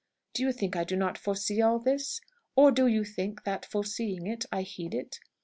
Do you think I do not foresee all this? or do you think that, foreseeing it, I heed it?